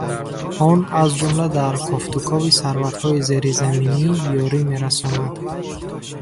Он аз ҷумла дар кофтукови сарватҳои зеризаминӣ ёрӣ мерасонад.